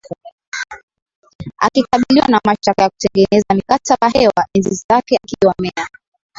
akikabiliwa na mashtaka ya kutengeneza mikataba hewa enzi zake akiwa meya